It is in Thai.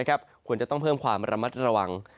ควรจะต้องเพิ่มความระมัดระวัง